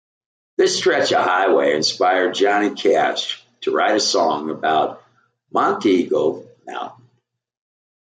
This stretch of highway inspired Johnny Cash to write a song about Monteagle Mountain.